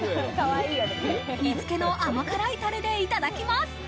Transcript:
煮付けの甘辛いタレでいただきます。